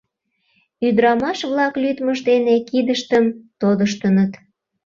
— ӱдырамаш-влак лӱдмышт дене кидыштым тодыштыныт.